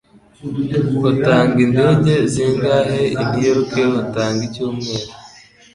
Utanga indege zingahe i New York utanga icyumweru?